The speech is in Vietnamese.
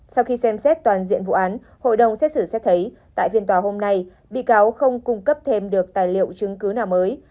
sau khi xem xét toàn diện vụ án hội đồng xét xử xét thấy tại phiên tòa hôm nay bị cáo không cung cấp thêm được tài liệu chứng cứ nào mới